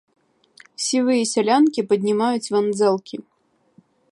Сівыя сялянкі паднімаюць вандзэлкі.